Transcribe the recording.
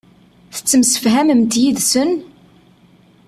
Tettemsefhamemt yid-sen?